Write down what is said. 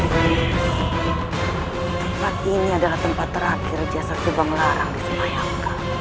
tempat ini adalah tempat terakhir jasa subang larang di sumayang